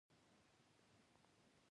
د تونلونو څراغونه لګیدلي؟